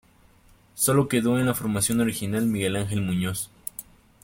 Solo quedó en la formación original Miguel Ángel Muñoz.